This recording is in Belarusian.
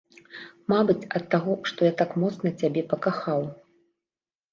Мабыць, ад таго, што я так моцна цябе пакахаў.